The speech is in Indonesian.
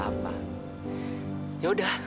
ya udah deh aku mau tidur aja deh dewi